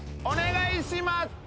お願いします！